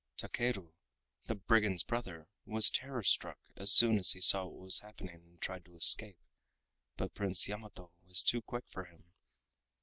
Takeru, the brigand's brother, was terror struck as soon as he saw what was happening and tried to escape, but Prince Yamato was too quick for him.